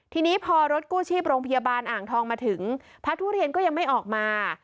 ทีนี้พอรถกู้ชีพโรงพยาบาลอ่างทองมาถึงพระทุเรียนก็ยังไม่ออกมา